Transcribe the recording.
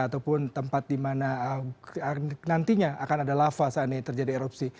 ataupun tempat di mana nantinya akan ada lava saat ini terjadi erupsi